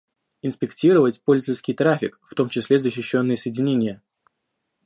Инспектировать пользовательский траффик, в том числе защищенные соединения